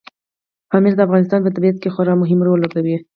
پامیر د افغانستان په طبیعت کې خورا مهم رول لوبوي.